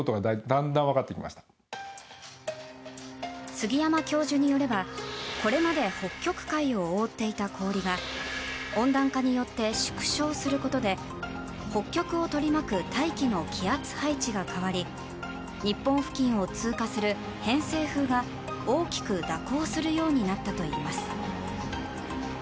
杉山教授によればこれまで北極海を覆っていた氷が温暖化によって縮小することで北極を取り巻く大気の気圧配置が変わり日本付近を通過する偏西風が大きく蛇行するようになったといいます。